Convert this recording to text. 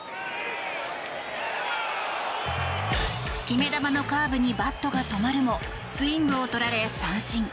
決め球のカーブにバットが止まるもスイングをとられ三振。